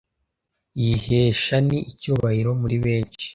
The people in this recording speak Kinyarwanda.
yihesha ni icyubahiro muri benshi.